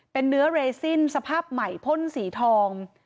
เป็นเนื้อเรซินสภาพใหม่พ่นสีทอง